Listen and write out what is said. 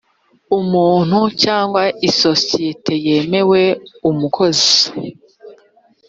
muntu cg isosiyete yemewe umukozi